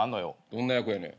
どんな役やねん。